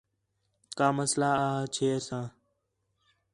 کا مسئلہ آ ہا چھیر ساں